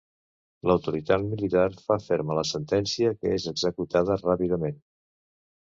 L'Autoritat Militar fa ferma la sentència que és executada ràpidament.